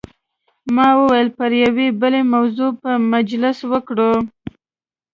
ما وویل پر یوې بلې موضوع به مجلس وکړو.